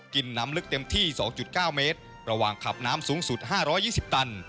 กินน้ำลึกเต็มที่สองจุดเก้าเมตรระหว่างขับน้ำสูงสุดห้าร้อยยี่สิบตัน